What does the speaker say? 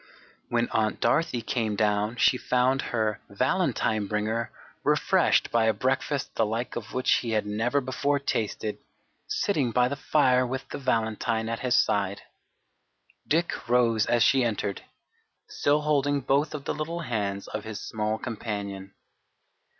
When Aunt Dorothy came down she found her "valentine" bringer refreshed by a breakfast the like of which he had never before tasted, sitting by the fire with the "valentine" at his side. Dick rose as she entered, still holding both of the little hands of his small companion.